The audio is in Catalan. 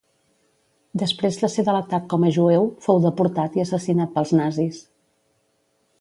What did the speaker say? Després de ser delatat com a jueu, fou deportat i assassinat pels nazis.